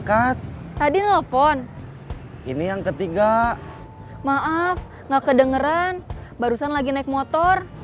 hati hati saat beroperasi jangan sampai ketahuan dan tergetat lagi terus kamu masuk penjara lagi